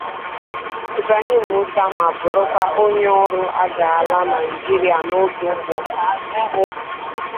Ibrahim Musa ma bụrụkwa onye ọrụ agha ala Nigeria n'oge mbụ